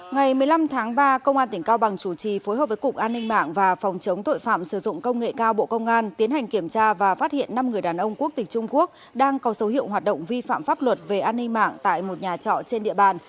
ngày một mươi năm tháng ba công an tỉnh cao bằng chủ trì phối hợp với cục an ninh mạng và phòng chống tội phạm sử dụng công nghệ cao bộ công an tiến hành kiểm tra và phát hiện năm người đàn ông quốc tịch trung quốc đang có dấu hiệu hoạt động vi phạm pháp luật về an ninh mạng tại một nhà trọ trên địa bàn